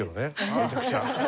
めちゃくちゃ。